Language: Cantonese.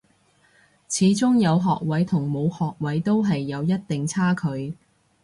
始終有學位同冇學位都係有一定差距